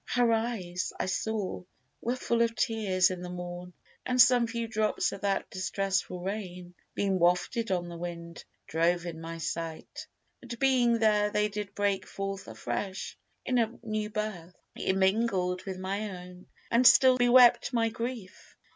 Her eyes, I saw, were full of tears in the morn, And some few drops of that distressful rain Being wafted on the wind, drove in my sight, And being there they did break forth afresh In a new birth, immingled with my own, And still bewept my grief.